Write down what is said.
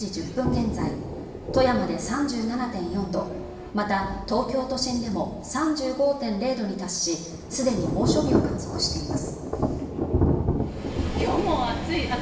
現在富山で３７．４度また東京都心でも３５．０度に達しすでに猛暑日を観測しています